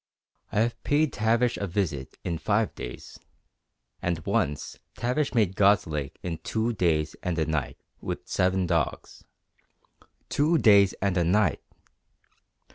I have paid Tavish a visit in five days, and once Tavish made God's Lake in two days and a night with seven dogs. Two days and a night!